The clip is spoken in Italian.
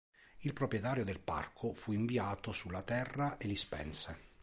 Il proprietario del parco fu inviato sulla Terra e li spense.